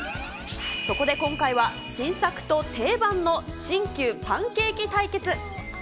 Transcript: そこで今回は、新作と定番の新旧パンケーキ対決。